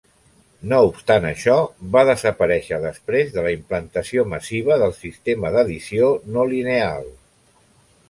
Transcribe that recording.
No obstant això, va desaparèixer després de la implantació massiva del sistema d'edició no lineal.